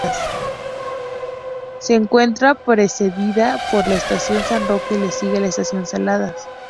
Se encuentra precedida por la Estación San Roque y le sigue la Estación Saladas.